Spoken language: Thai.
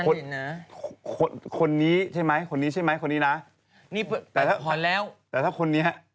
พวกแกนี่มันอะไรกันนะ